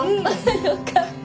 良かった。